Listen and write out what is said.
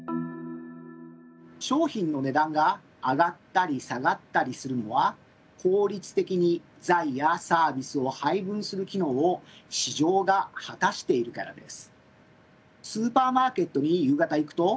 商品の値段が上がったり下がったりするのは効率的に財やサービスを配分する機能を市場が果たしているからです。